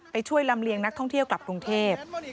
ช่วยลำเลียงนักท่องเที่ยวกลับกรุงเทพ